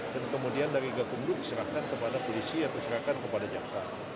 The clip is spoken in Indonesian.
dan kemudian dari gakundu diserahkan kepada polisi atau diserahkan kepada jaksa